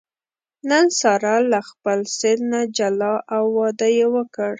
نن ساره له خپل سېل نه جلا او واده یې وکړ.